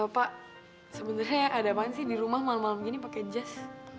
pak sebenarnya ada main sih di rumah malam malam gini pakai jas